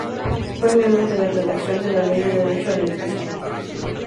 Fue miembro de la redacción de la Ley de derecho a la educación.